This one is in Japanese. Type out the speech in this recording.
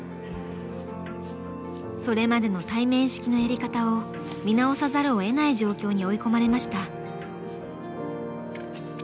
それまでの対面式のやり方を見直さざるをえない状況に追い込まれました。